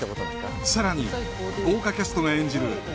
さらに豪華キャストが演じる